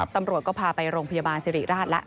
ตำรวจก็พาไปโรงพยาบาลสิริราชแล้ว